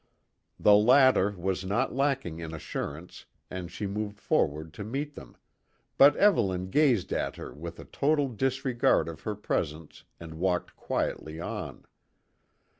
The latter was not lacking in assurance and she moved forward to meet them, but Evelyn gazed at her with a total disregard of her presence and walked quietly on.